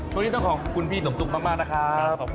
ช่วงนี้ต้องขอบคุณพี่สมซุกมากนะครับ